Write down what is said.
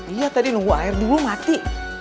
iya tadi nunggu air dulu mati